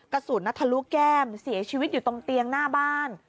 กระสุนทะลุแก้มเสียชีวิตอยู่ตรงเตียงหน้าบ้าน